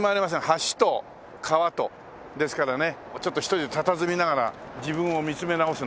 橋と川とですからねちょっと一人でたたずみながら自分を見つめ直す